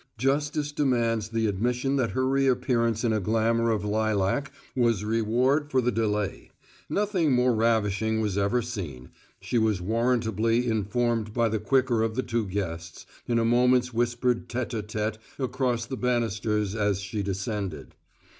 Justice demands the admission that her reappearance in a glamour of lilac was reward for the delay; nothing more ravishing was ever seen, she was warrantably informed by the quicker of the two guests, in a moment's whispered tete a tete across the banisters as she descended.